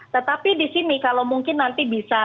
tetapi di sini kalau mungkin nanti bisa